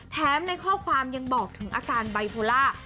ในข้อความยังบอกถึงอาการไบโพล่า